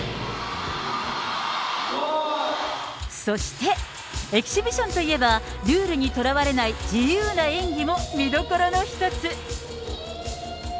そして、エキシビションといえば、ルールにとらわれない自由な演技も見どころの一つ。